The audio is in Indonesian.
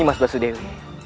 ini mas basudewi